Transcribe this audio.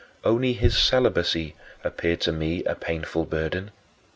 Only his celibacy appeared to me a painful burden.